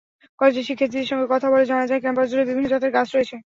কলেজের শিক্ষার্থীদের সঙ্গে কথা বলে জানা যায়, ক্যাম্পাসজুড়ে বিভিন্ন জাতের গাছ রয়েছে।